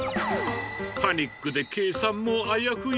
パニックで計算もあやふや。